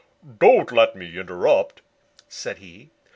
"Don't let me interrupt," said he.